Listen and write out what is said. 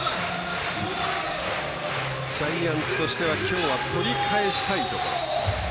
ジャイアンツとしてはきょうは取り返したいところ。